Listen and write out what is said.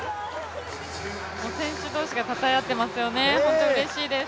選手同士がたたえ合っていますよね、本当にうれしいです。